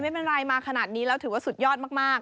ไม่เป็นไรมาขนาดนี้แล้วถือว่าสุดยอดมาก